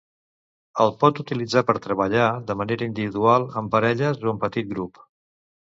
Es pot utilitzar per treballar de manera individual, en parelles o en petit grup.